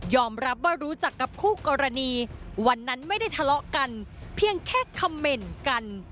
รับว่ารู้จักกับคู่กรณีวันนั้นไม่ได้ทะเลาะกันเพียงแค่คำเมนต์กัน